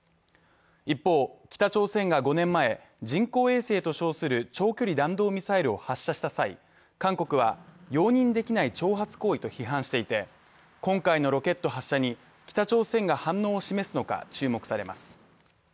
一方、北朝鮮が５年前、人工衛星と称する長距離弾道ミサイルを発射した際、韓国は容認できない挑発行為と批判していて、今回のロケット発射に北朝鮮が反応を示すのか注目されます。